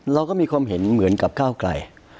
เราก็มีความเห็นเหมือนกับก้าวไกล